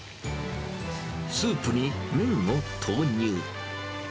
スープに麺を投入。